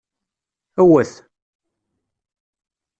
Ewwet!